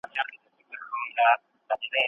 د سياسي علومو په اړه زياته مطالعه وکړئ.